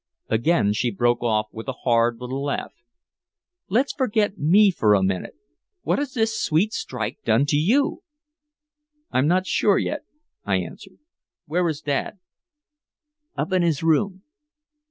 Again she broke off with a hard little laugh. "Let's forget me for a minute. What has this sweet strike done to you?" "I'm not sure yet," I answered. "Where is Dad?" "Up in his room."